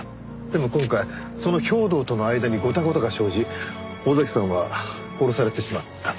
でも今回その兵頭との間にゴタゴタが生じ尾崎さんは殺されてしまった。